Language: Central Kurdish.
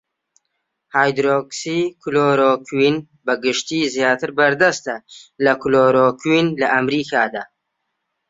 هایدرۆکسی کلۆرۆکوین بەگشتی زیاتر بەردەستە لە کلۆرۆکوین لە ئەمەریکادا.